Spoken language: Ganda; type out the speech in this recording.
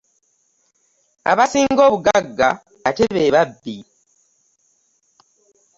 Abasinga obugagga ate be babbi?